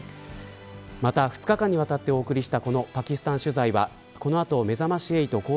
また２日間にわたってお送りした